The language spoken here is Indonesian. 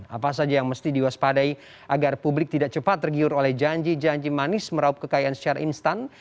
apa saja yang mesti diwaspadai agar publik tidak cepat tergiur oleh janji janji manis meraup kekayaan secara instan